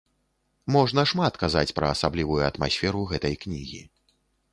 Можна шмат казаць пра асаблівую атмасферу гэтай кнігі.